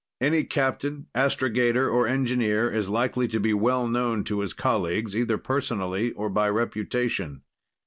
Any captain, astrogator or engineer is likely to be well known to his colleagues, either personally or by reputation.